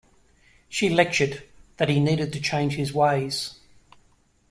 She lectured that he needed to change his ways.